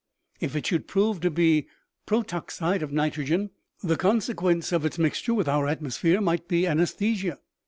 If it should prove to be protoxide of nitrogen, the consequence of its mixture with our atmosphere might be anaesthesia.